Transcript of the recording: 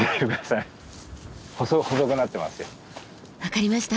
分かりました。